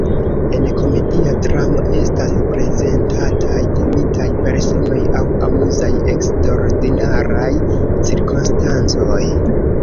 En komedia dramo estas prezentataj komikaj personoj aŭ amuzaj eksterordinaraj cirkonstancoj.